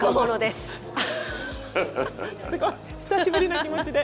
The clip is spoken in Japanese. すごい久しぶりな気持ちで。